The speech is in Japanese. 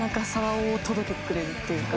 おを届けてくれるっていうか。